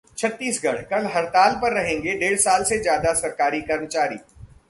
छत्तीसगढ़: कल हड़ताल पर रहेंगे डेढ़ लाख से ज्यादा सरकारी कर्मचारी